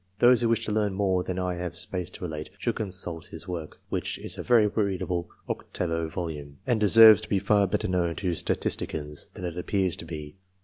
Those who wish to learn more than I have space to relate, should consult his work, which is a very read able octavo volume, and deserves to be far better known to statisticians than it appears to be.